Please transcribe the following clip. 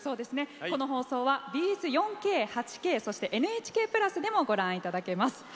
この放送はＢＳ４Ｋ８Ｋそして、「ＮＨＫプラス」でもご覧いただけます。